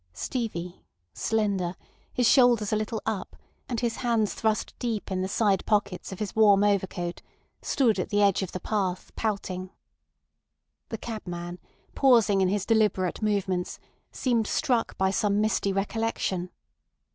Stevie, slender, his shoulders a little up, and his hands thrust deep in the side pockets of his warm overcoat, stood at the edge of the path, pouting. The cabman, pausing in his deliberate movements, seemed struck by some misty recollection.